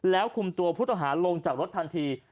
แล้วคุมตัวผู้ต้องหาลงจากรถทันที